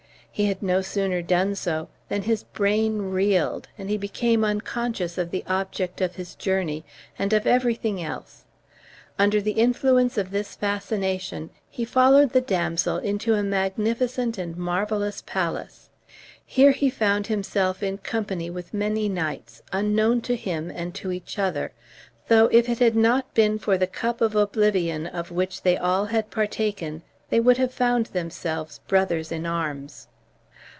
He had no sooner done so than his brain reeled, and he became unconscious of the object of his journey, and of everything else. Under the influence of this fascination he followed the damsel into a magnificent and marvellous palace. Here he found himself in company with many knights, unknown to him and to each other, though if it had not been for the Cup of Oblivion of which they all had partaken they would have found themselves brothers in arms.